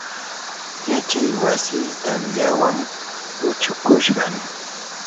yachay wasii tamyawan huchushqam.